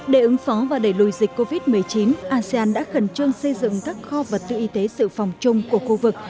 để ứng phó và đẩy lùi dịch covid một mươi chín asean đã khẩn trương xây dựng các kho vật tư y tế sự phòng chung của khu vực